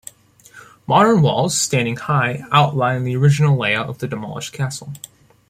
Modern walls standing high outline the original layout of the demolished castle.